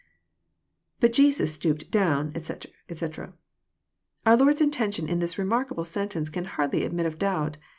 {But Jesus stooped down, etc., etc.'] Our Lord's intention in this remarkable sentence can hardly admit of doubt.